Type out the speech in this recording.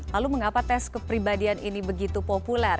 lalu mengapa tes kepribadian ini begitu populer